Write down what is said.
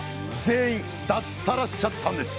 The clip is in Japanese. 全員脱サラしちゃったんです！